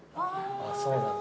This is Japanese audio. そうなんだ。